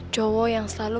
jowo yang selalu